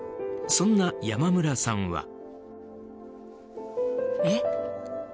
そんな山村さんは。